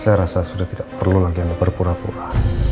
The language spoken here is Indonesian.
saya rasa sudah tidak perlu lagi anda berpura pura